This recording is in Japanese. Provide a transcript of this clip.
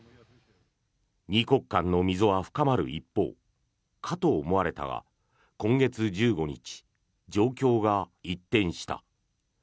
２国間の溝は深まる一方かと思われたが今月１５日、状況が一転した。